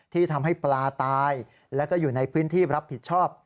ที่ทำให้ปลาตายแล้วก็อยู่ในพื้นที่รับผิดชอบ